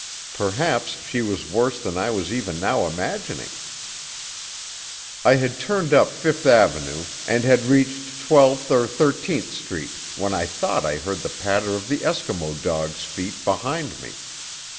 Perhaps she was worse than I was even now imagining! I had turned up Fifth Avenue, and had reached Twelfth or Thirteenth Street when I thought I heard the patter of the Eskimo dog's feet behind me.